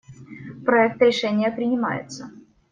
Проект решения принимается.